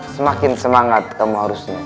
semakin semangat kamu harusnya